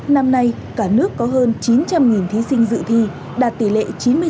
năm nay cả nước có hơn chín trăm linh thí sinh dự thi đạt tỷ lệ chín mươi sáu một mươi ba